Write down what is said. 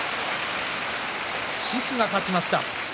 獅司が勝ちました。